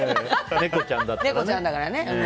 猫ちゃんだからね。